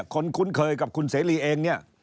คนคุ้นเคยกับคุณเสรีเอง